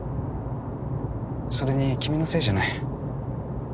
それに君のせいじゃない。